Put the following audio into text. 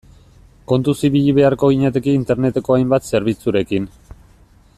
Kontuz ibili beharko ginateke Interneteko hainbat zerbitzurekin.